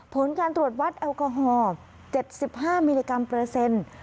ผลการตรวจวัดแอลกอฮอล์๗๕มิลลิกรัมเปอร์เซ็นต์